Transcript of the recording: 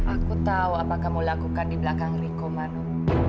aku tahu apa kamu lakukan di belakang riko manu